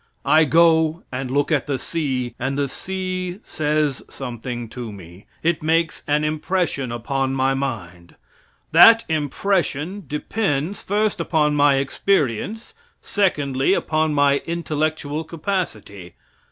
I go and look at the sea, and the sea says something to me; it makes an impression upon my mind. That impression depends, first, upon my experience; secondly, upon my intellectual capacity.